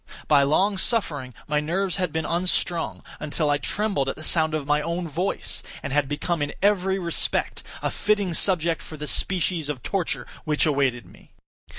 By long suffering my nerves had been unstrung, until I trembled at the sound of my own voice, and had become in every respect a fitting subject for the species of torture which awaited me.